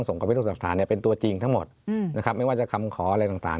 ซึ่งวันนี้เราก็ได้เอาหลักฐานทั้งหมดไปมอบให้แม้กระทั่งเอกสารที่จะต้องส่งกับพิสุทธิ์หลักฐานเป็นตัวจริงทั้งหมด